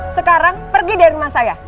sekarang pergi dari rumah saya